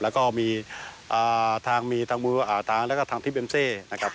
แล้วก็มีทางมีทางแล้วก็ทางทิเบนเซนะครับ